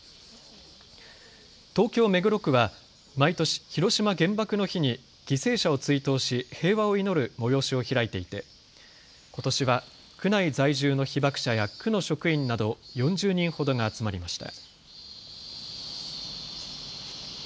東京目黒区は毎年、広島原爆の日に犠牲者を追悼し平和を祈る催しを開いていてことしは区内在住の被爆者や区の職員など４０人ほどが集まりました。